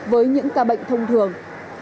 với những ca bệnh thông thường